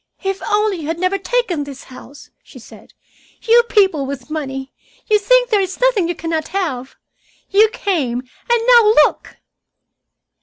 "If only you had never taken this house!" she said. "You people with money, you think there is nothing you can not have. You came, and now look!"